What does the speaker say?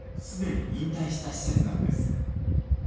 すでに引退した施設なんです。